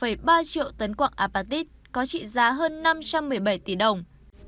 một ba triệu tấn quạng apatit có trị giá hơn năm trăm một mươi bảy tỷ đồng